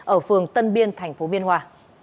ở phường tân biên tp biên hòa